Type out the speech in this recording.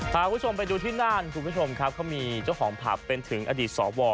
พาคุณผู้ชมไปดูที่น่านคุณผู้ชมครับเขามีเจ้าของผับเป็นถึงอดีตสว